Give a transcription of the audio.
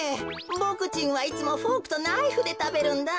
ボクちんはいつもフォークとナイフでたべるんだ。